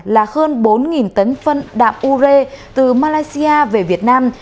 đã hơn bốn tấn phân đạm u rê từ malaysia về việt nam